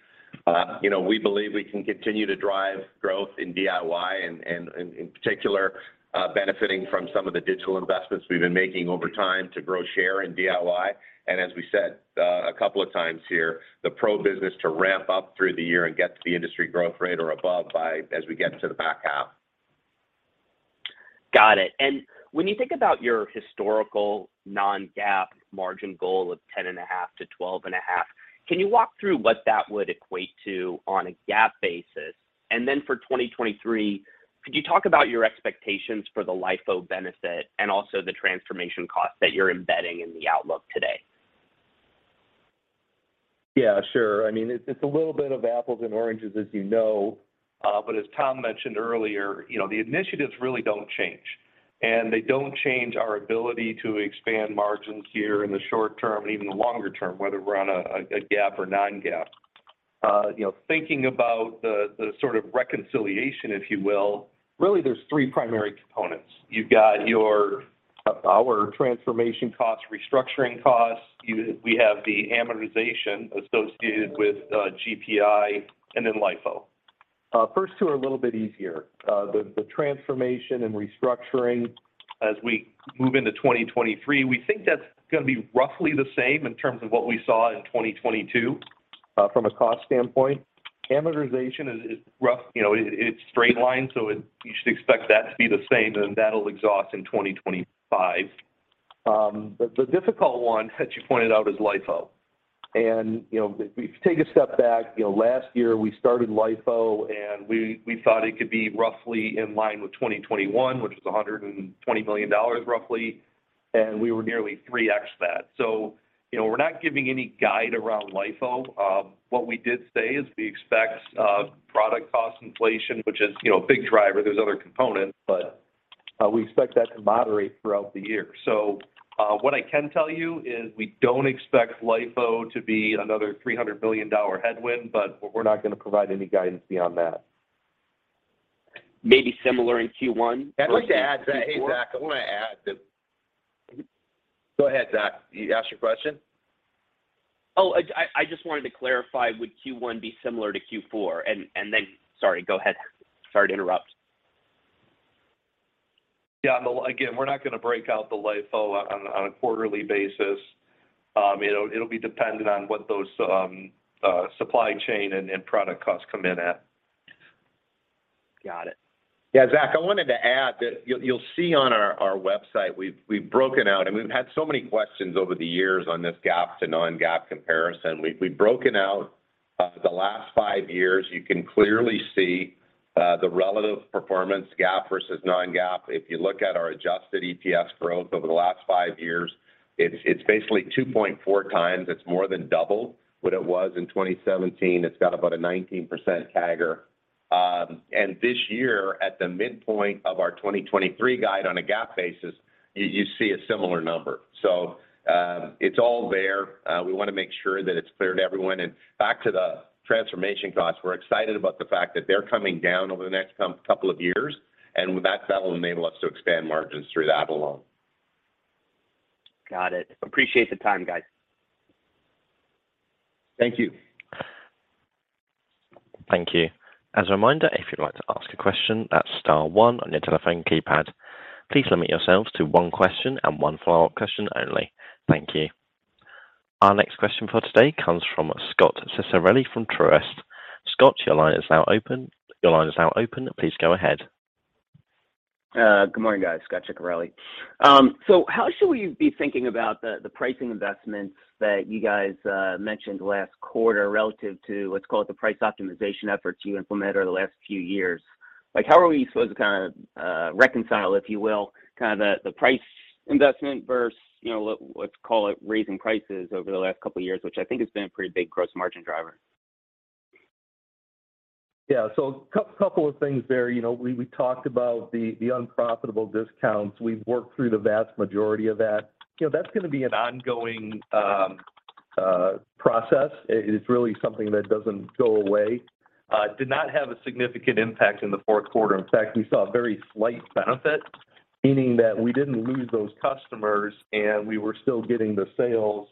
You know, we believe we can continue to drive growth in DIY and in particular, benefiting from some of the digital investments we've been making over time to grow share in DIY and as we said a couple of times here, the pro business to ramp up through the year and get to the industry growth rate or above by as we get to the back half. Got it. When you think about your historical non-GAAP margin goal of 10.5%-12.5%, can you walk through what that would equate to on a GAAP basis? Then for 2023, could you talk about your expectations for the LIFO benefit and also the transformation costs that you're embedding in the outlook today? Yeah, sure. I mean, it's a little bit of apples and oranges as you know, as Tom mentioned earlier, you know, the initiatives really don't change, and they don't change our ability to expand margins here in the short term and even the longer term, whether we're on a GAAP or non-GAAP. You know, thinking about the sort of reconciliation if you will, really there's three primary components. You've got our transformation costs, restructuring costs. We have the amortization associated with GPI and then LIFO. First two are a little bit easier. The transformation and restructuring as we move into 2023, we think that's gonna be roughly the same in terms of what we saw in 2022, from a cost standpoint. Amortization is rough. You know, it's straight line, so it... You should expect that to be the same, and that'll exhaust in 2025. The difficult one that you pointed out is LIFO. You know, if we take a step back, you know, last year we started LIFO, and we thought it could be roughly in line with 2021, which was $120 million roughly, and we were nearly 3x that. You know, we're not giving any guide around LIFO. What we did say is we expect product cost inflation, which is, you know, a big driver. There's other components, but we expect that to moderate throughout the year. What I can tell you is we don't expect LIFO to be another $300 billion headwind, but we're not gonna provide any guidance beyond that. Maybe similar in Q1. I'd like to add that. Versus Q4? Hey, Zach, I wanna add that. Go ahead, Zach. You ask your question? Oh, I just wanted to clarify, would Q1 be similar to Q4? Then... Sorry, go ahead. Sorry to interrupt. Yeah. No, again, we're not gonna break out the LIFO on a, on a quarterly basis. You know, it'll be dependent on what those supply chain and product costs come in at. Got it. Zach, I wanted to add that you'll see on our website, we've broken out, and we've had so many questions over the years on this GAAP to non-GAAP comparison. We've broken out the last five years. You can clearly see the relative performance GAAP versus non-GAAP. If you look at our adjusted EPS growth over the last five years, it's basically 2.4x. It's more than double what it was in 2017. It's got about a 19% CAGR. This year, at the midpoint of our 2023 guide on a GAAP basis, you see a similar number. It's all there. We want to make sure that it's clear to everyone. Back to the transformation costs, we're excited about the fact that they're coming down over the next couple of years, and with that will enable us to expand margins through that alone. Got it. Appreciate the time, guys. Thank you. Thank you. As a reminder, if you'd like to ask a question, that's star one on your telephone keypad. Please limit yourselves to one question and one follow-up question only. Thank you. Our next question for today comes from Scot Ciccarelli from Truist. Scot, your line is now open. Please go ahead. Good morning, guys. Scot Ciccarelli. How should we be thinking about the pricing investments that you guys mentioned last quarter relative to, let's call it, the price optimization efforts you implemented over the last few years? How are we supposed to kinda reconcile, if you will, kinda the price investment versus, you know, let's call it raising prices over the last couple years, which I think has been a pretty big gross margin driver? Couple of things there. You know, we talked about the unprofitable discounts. We've worked through the vast majority of that. You know, that's gonna be an ongoing process. It is really something that doesn't go away. Did not have a significant impact in the fourth quarter. In fact, we saw a very slight benefit, meaning that we didn't lose those customers, and we were still getting the sales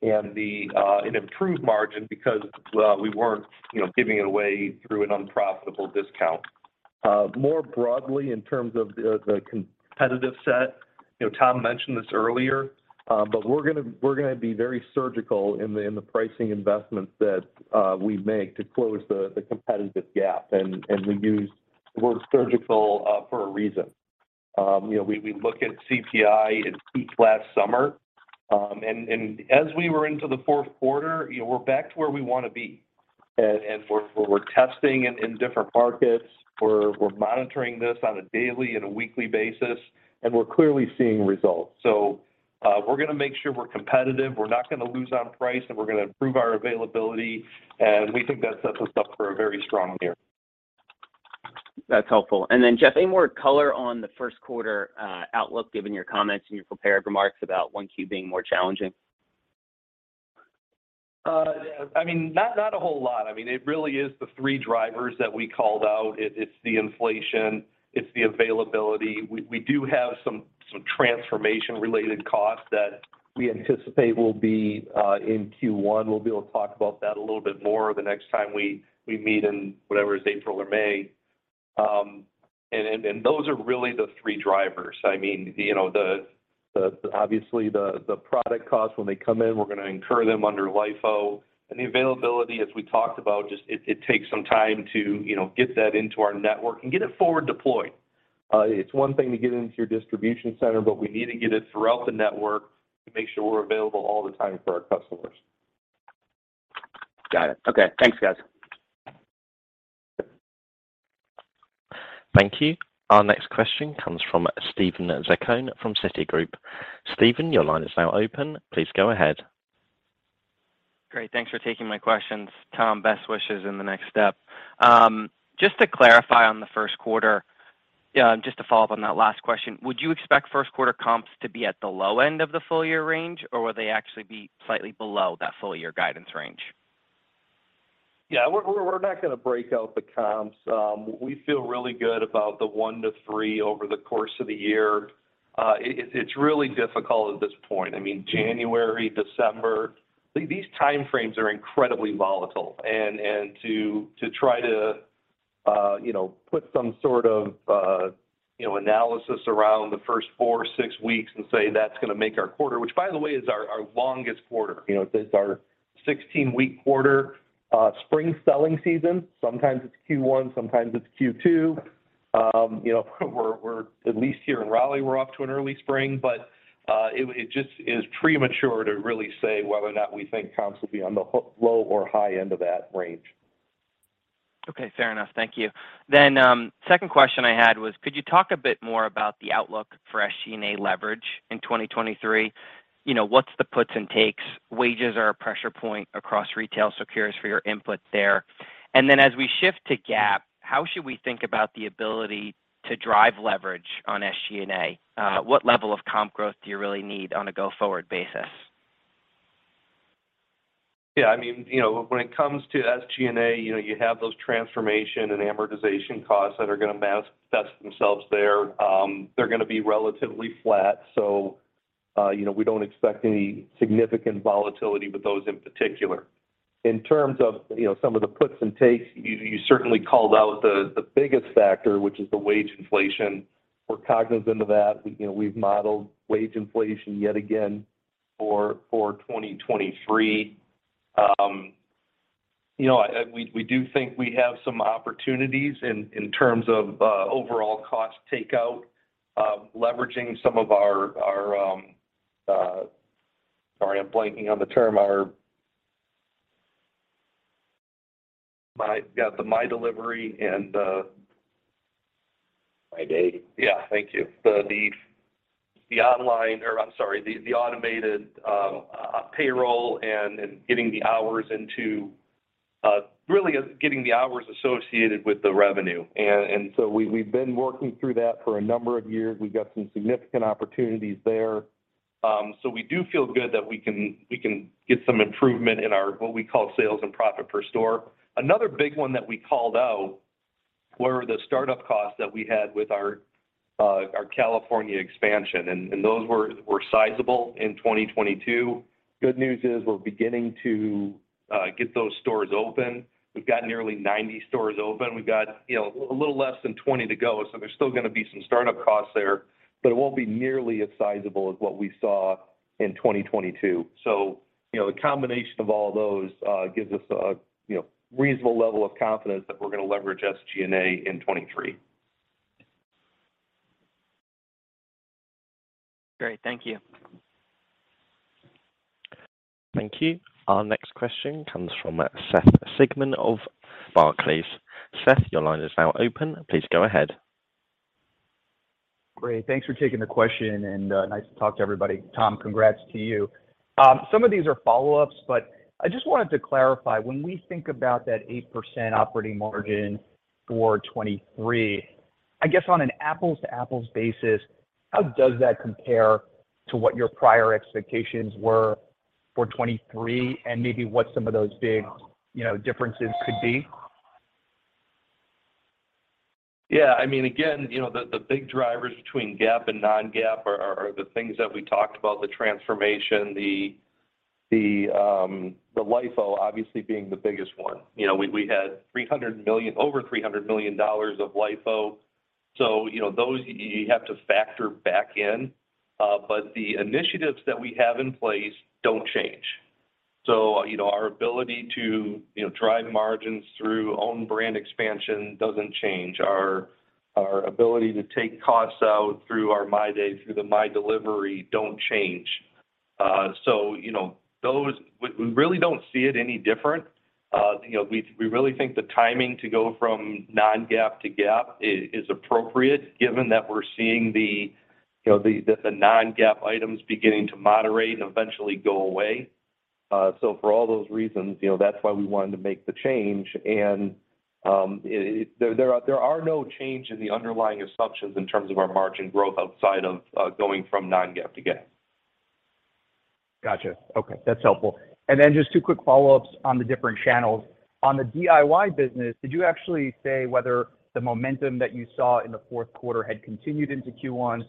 and an improved margin because, well, we weren't, you know, giving it away through an unprofitable discount. More broadly, in terms of the competitive set, you know, Tom mentioned this earlier, but we're gonna be very surgical in the, in the pricing investments that we make to close the competitive gap. And we use the word surgical for a reason. You know, we look at CPI in peak last summer. As we were into the fourth quarter, you know, we're back to where we wanna be. We're testing in different markets. We're monitoring this on a daily and a weekly basis, and we're clearly seeing results. We're gonna make sure we're competitive. We're not gonna lose on price, and we're gonna improve our availability. We think that sets us up for a very strong year. That's helpful. Jeff, any more color on the first quarter outlook, given your comments in your prepared remarks about 1Q being more challenging? I mean, not a whole lot. I mean, it really is the three drivers that we called out. It's the inflation. It's the availability. We do have some transformation related costs that we anticipate will be in Q1. We'll be able to talk about that a little bit more the next time we meet in whatever is April or May. Those are really the three drivers. I mean, you know, obviously the product costs, when they come in, we're gonna incur them under LIFO. The availability, as we talked about, just, it takes some time to, you know, get that into our network and get it forward deployed. It's one thing to get it into your distribution center, but we need to get it throughout the network to make sure we're available all the time for our customers. Got it. Okay. Thanks, guys. Thank you. Our next question comes from Steven Zaccone from Citigroup. Steven, your line is now open. Please go ahead. Great. Thanks for taking my questions. Tom, best wishes in the next step. Just to clarify on the first quarter, just to follow up on that last question, would you expect first quarter comps to be at the low end of the full-year range, or will they actually be slightly below that full-year guidance range? Yeah. We're not gonna break out the comps. We feel really good about the 1%-3% over the course of the year. It's really difficult at this point. I mean, January, December, these timeframes are incredibly volatile. to try to, you know, put some sort of, you know, analysis around the first four, six weeks and say that's gonna make our quarter, which by the way is our longest quarter. You know, it's our 16-week quarter, spring selling season. Sometimes it's Q1, sometimes it's Q2. You know, we're at least here in Raleigh, we're off to an early spring, but it just is premature to really say whether or not we think comps will be on the low or high end of that range. Okay. Fair enough. Thank you. Second question I had was, could you talk a bit more about the outlook for SG&A leverage in 2023? You know, what's the puts and takes? Wages are a pressure point across retail, so curious for your input there. As we shift to GAAP, how should we think about the ability to drive leverage on SG&A? What level of comp growth do you really need on a go-forward basis? Yeah, I mean, you know, when it comes to SG&A, you know, you have those transformation and amortization costs that are gonna manifest themselves there. They're gonna be relatively flat, so, you know, we don't expect any significant volatility with those in particular. In terms of, you know, some of the puts and takes, you certainly called out the biggest factor, which is the wage inflation. We're cognizant of that. You know, we've modeled wage inflation yet again for 2023. You know, we do think we have some opportunities in terms of overall cost takeout, leveraging some of our... Sorry, I'm blanking on the term. Our... the My Delivery and the. My Day. Yeah. Thank you. The online. Or I'm sorry, the automated payroll and getting the hours into really getting the hours associated with the revenue. So we've been working through that for a number of years. We've got some significant opportunities there. So we do feel good that we can get some improvement in our, what we call sales and profit per store. Another big one that we called out were the startup costs that we had with our California expansion, and those were sizable in 2022. Good news is we're beginning to get those stores open. We've got nearly 90 stores open. We've got, you know, a little less than 20 to go, so there's still gonna be some startup costs there. It won't be nearly as sizable as what we saw in 2022. You know, the combination of all those gives us a, you know, reasonable level of confidence that we're gonna leverage SG&A in 2023. Great. Thank you. Thank you. Our next question comes from Seth Sigman of Barclays. Seth, your line is now open. Please go ahead. Great. Thanks for taking the question, nice to talk to everybody. Tom, congrats to you. Some of these are follow-ups, I just wanted to clarify. When we think about that 8% operating margin for 2023, I guess on an apples-to-apples basis, how does that compare to what your prior expectations were for 2023 and maybe what some of those big, you know, differences could be? Yeah. I mean, again, you know, the big drivers between GAAP and non-GAAP are the things that we talked about, the transformation, the LIFO obviously being the biggest one. You know, we had over $300 million of LIFO, so, you know, those you have to factor back in. The initiatives that we have in place don't change. You know, our ability to, you know, drive margins through own brand expansion doesn't change. Our ability to take costs out through our My Day, through the My Delivery don't change. You know, those. We really don't see it any different. You know, we really think the timing to go from non-GAAP to GAAP is appropriate given that we're seeing the, you know, the non-GAAP items beginning to moderate and eventually go away. For all those reasons, you know, that's why we wanted to make the change. There are no change in the underlying assumptions in terms of our margin growth outside of going from non-GAAP to GAAP. Gotcha. Okay, that's helpful. Just two quick follow-ups on the different channels. On the DIY business, did you actually say whether the momentum that you saw in the fourth quarter had continued into Q1?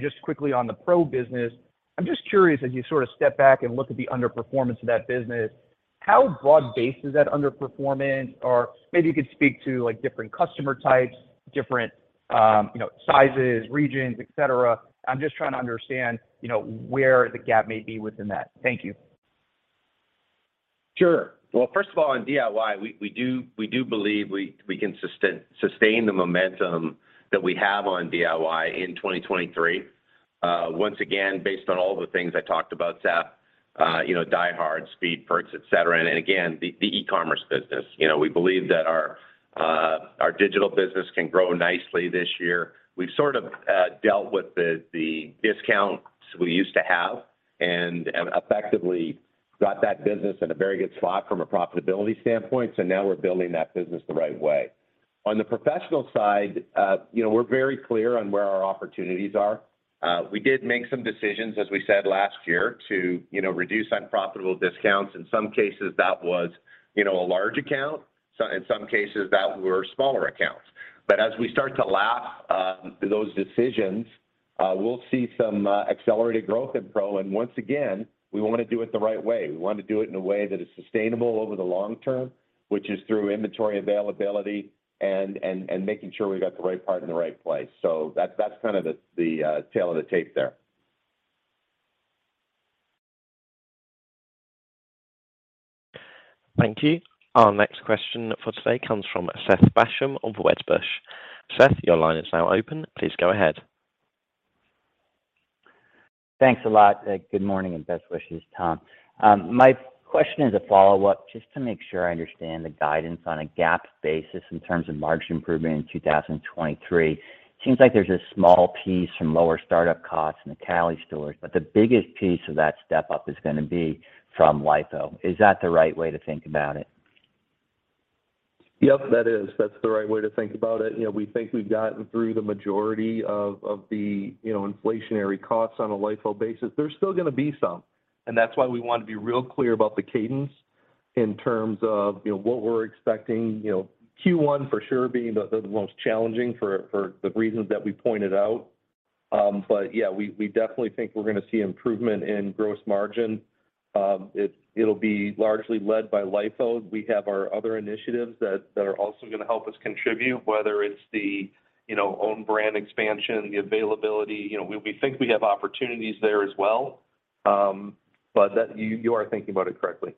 Just quickly on the Pro business, I'm just curious as you sort of step back and look at the underperformance of that business, how broad-based is that underperformance? Or maybe you could speak to, like, different customer types, different, you know, sizes, regions, et cetera. I'm just trying to understand, you know, where the gap may be within that. Thank you. Sure. Well, first of all, on DIY, we do believe we can sustain the momentum that we have on DIY in 2023. Once again, based on all the things I talked about, Seth, you know, DieHard, Speed Perks, et cetera, and again, the e-commerce business. You know, we believe that our digital business can grow nicely this year. We've sort of dealt with the discounts we used to have and effectively got that business in a very good spot from a profitability standpoint, so now we're building that business the right way. On the professional side, you know, we're very clear on where our opportunities are. We did make some decisions, as we said last year, to, you know, reduce unprofitable discounts. In some cases, that was, you know, a large account. In some cases, that were smaller accounts. As we start to lap those decisions, we'll see some accelerated growth in Pro. Once again, we wanna do it the right way. We wanna do it in a way that is sustainable over the long term, which is through inventory availability and making sure we've got the right part in the right place. That's kind of the tale of the tape there. Thank you. Our next question for today comes from Seth Basham of Wedbush. Seth, your line is now open. Please go ahead. Thanks a lot. Good morning and best wishes, Tom. My question is a follow-up just to make sure I understand the guidance on a GAAP basis in terms of margin improvement in 2023. Seems like there's a small piece from lower startup costs in the Cali stores, but the biggest piece of that step-up is gonna be from LIFO. Is that the right way to think about it? Yep, that is. That's the right way to think about it. You know, we think we've gotten through the majority of the, you know, inflationary costs on a LIFO basis. There's still gonna be some, and that's why we want to be real clear about the cadence in terms of, you know, what we're expecting. You know, Q1 for sure being the most challenging for the reasons that we pointed out. Yeah, we definitely think we're gonna see improvement in gross margin. It'll be largely led by LIFO. We have our other initiatives that are also gonna help us contribute, whether it's the, you know, own brand expansion, the availability. You know, we think we have opportunities there as well. That. You are thinking about it correctly.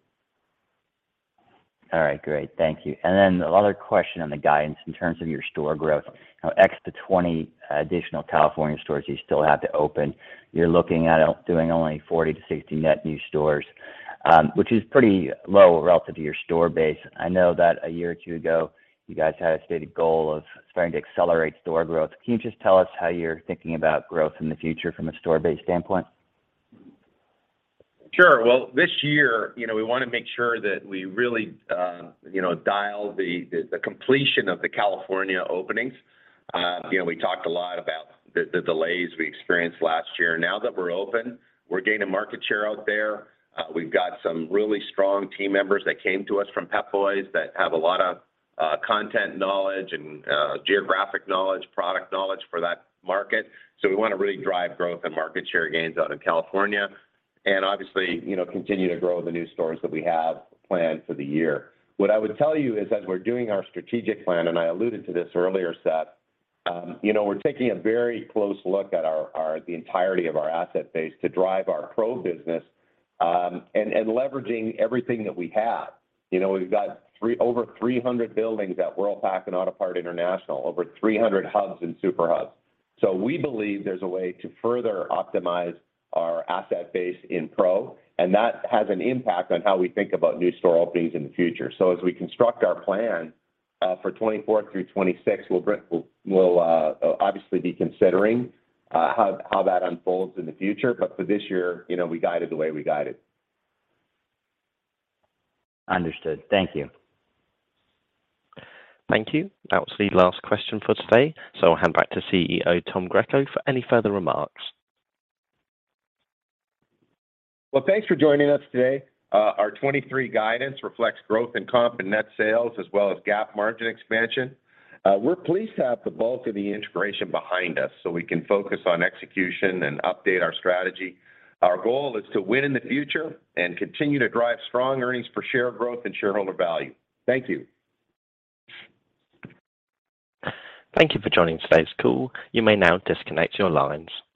All right, great. Thank you. Another question on the guidance in terms of your store growth. You know, X to 20 additional California stores you still have to open. You're looking at doing only 40-60 net new stores, which is pretty low relative to your store base. I know that a year or two ago, you guys had a stated goal of starting to accelerate store growth. Can you just tell us how you're thinking about growth in the future from a store-based standpoint? Sure. Well, this year, you know, we wanna make sure that we really, you know, dial the completion of the California openings. You know, we talked a lot about the delays we experienced last year. Now that we're open, we're gaining market share out there. We've got some really strong team members that came to us from Pep Boys that have a lot of content knowledge and geographic knowledge, product knowledge for that market. We wanna really drive growth and market share gains out in California and obviously, you know, continue to grow the new stores that we have planned for the year. What I would tell you is that we're doing our strategic plan, and I alluded to this earlier, Seth. You know, we're taking a very close look at our, the entirety of our asset base to drive our Pro business, and leveraging everything that we have. You know, we've got over 300 buildings at Worldpac and Autopart International, over 300 hubs and super hubs. We believe there's a way to further optimize our asset base in Pro, and that has an impact on how we think about new store openings in the future. As we construct our plan for 2024 through 2026, we'll obviously be considering how that unfolds in the future. For this year, you know, we guide it the way we guide it. Understood. Thank you. Thank you. That was the last question for today, so I'll hand back to CEO, Tom Greco, for any further remarks. Well, thanks for joining us today. Our 2023 guidance reflects growth in comp and net sales, as well as GAAP margin expansion. We're pleased to have the bulk of the integration behind us so we can focus on execution and update our strategy. Our goal is to win in the future and continue to drive strong earnings per share growth and shareholder value. Thank you. Thank you for joining today's call. You may now disconnect your lines.